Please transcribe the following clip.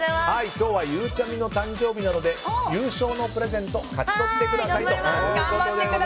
今日はゆうちゃみの誕生日なので優勝のプレゼント勝ち取ってください。